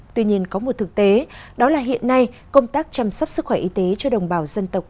tuy nhiên có một thực tế đó là hiện nay công tác chăm sóc sức khỏe y tế cho đồng bào dân tộc